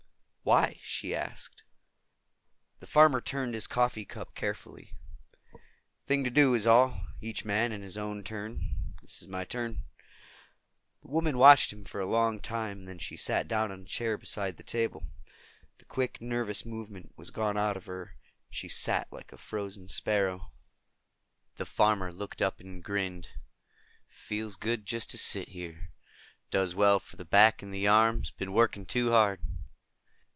"Why?" she asked. The farmer turned his coffee cup carefully. "Thing to do, is all. Each man in his own turn. This is my turn." The woman watched him for a long time, then she sat down on a chair beside the table. The quick, nervous movement was gone out of her, and she sat like a frozen sparrow. The farmer looked up and grinned. "Feels good. Just to sit here. Does well for the back and the arms. Been working too hard."